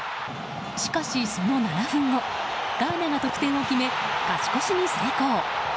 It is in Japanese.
しかし、その７分後ガーナが得点を決め勝ち越しに成功。